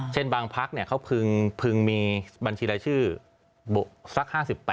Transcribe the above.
เช่นบางพักเขาพึงมีบัญชีรายชื่อสัก๕๘